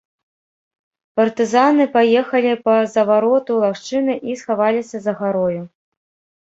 Партызаны паехалі па завароту лагчыны і схаваліся за гарою.